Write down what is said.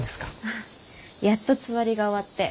あやっとつわりが終わって。